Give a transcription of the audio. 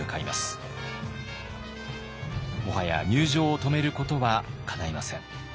もはや入城を止めることはかないません。